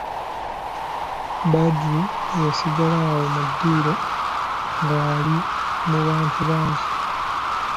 Badru yasigala awo mu ddiiro nga ali mu bantu bangi.